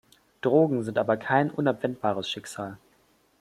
Drogen sind aber kein unabwendbares Schicksal.